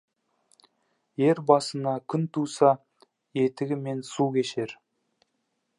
Ер басына күн туса, етігімен су кешер.